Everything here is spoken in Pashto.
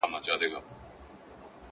o مال خپل وساته، همسايه غل مه بوله!